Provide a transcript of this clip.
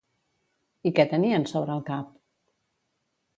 I què tenien sobre el cap?